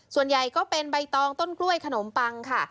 ส่วนใหญ่ก็เป็นใบตองต้นกล้วยขนมปังค่ะ